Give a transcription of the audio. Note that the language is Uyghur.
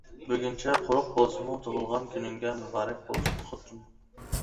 بۈگۈنچە قۇرۇق بولسىمۇ تۇغۇلغان كۈنۈڭگە مۇبارەك بولسۇن خوتۇن!